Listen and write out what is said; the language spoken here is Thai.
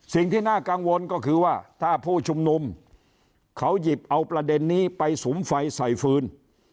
สิ่งที่น่ากังวลก็คือว่าถ้าผู้ชุมนุมเขาหยิบเอาประเด็นนี้ไปสุมไฟใส่ฟืน